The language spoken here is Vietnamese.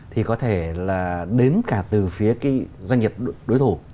thì có thể là đến cả từ phía cái doanh nghiệp đối thủ